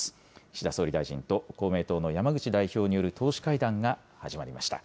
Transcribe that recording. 岸田総理大臣と公明党の山口代表による党首会談が始まりました。